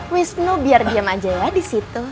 wisnu biar diam aja ya disitu